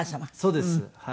そうです。